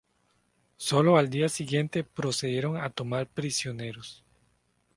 Solo al día siguiente procedieron a tomar prisioneros.